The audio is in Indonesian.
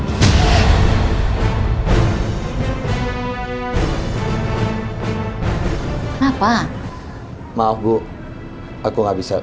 kenapa maaf bu aku nggak bisa makan bakso